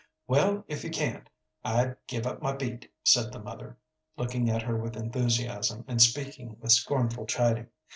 "Well, if you can't, I'd give up my beat," said the mother, looking at her with enthusiasm, and speaking with scornful chiding.